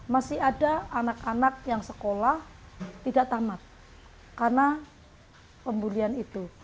masih ada anak anak yang sekolah tidak tamat karena pembulian itu